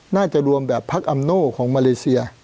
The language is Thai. น่าจะรวมแบบพักอำโน่ของมาเลเซีย